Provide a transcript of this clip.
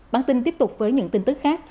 bản tin tiếp tục với những tin tức khác